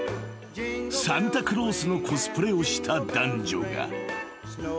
［サンタクロースのコスプレをした男女が］